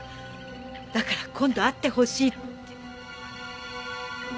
「だから今度会ってほしい」って。